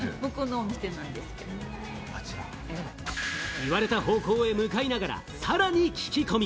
言われた方向へ向かいながら、さらに聞き込み。